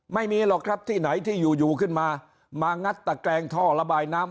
ไม่มีหรอกครับที่ไหนที่อยู่อยู่ขึ้นมามางัดตะแกรงท่อระบายน้ำ